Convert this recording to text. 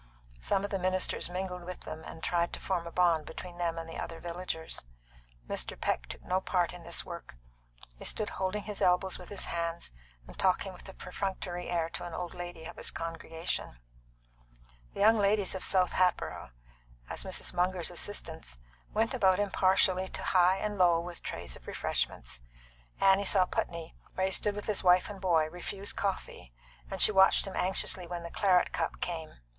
Some of the ministers mingled with them, and tried to form a bond between them and the other villagers. Mr. Peck took no part in this work; he stood holding his elbows with his hands, and talking with a perfunctory air to an old lady of his congregation. The young ladies of South Hatboro', as Mrs. Munger's assistants, went about impartially to high and low with trays of refreshments. Annie saw Putney, where he stood with his wife and boy, refuse coffee, and she watched him anxiously when the claret cup came.